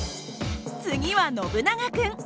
次はノブナガ君。